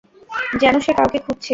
যেন সে কাউকে খুঁজছে।